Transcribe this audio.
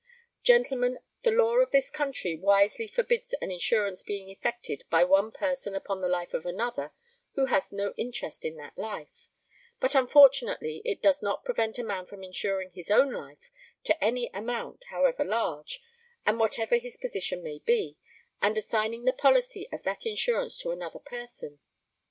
Gentlemen, the law of this country wisely forbids an insurance being effected by one person upon the life of another who has no interest in that life; but, unfortunately, it does not prevent a man from insuring his own life to any amount, however large, and whatever his position may be, and assigning the policy of that insurance to another person.